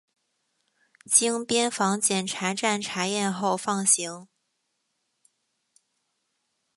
经边防检查站查验后放行。